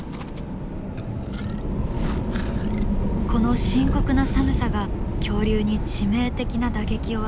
この深刻な寒さが恐竜に致命的な打撃を与え